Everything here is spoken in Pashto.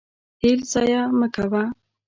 تیل ضایع مه کوه.